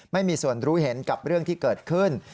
ไม่มีส่วนรู้เห็นกับเรื่องที่เกิดขึ้น